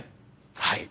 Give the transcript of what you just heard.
はい。